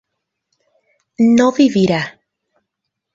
no vivirá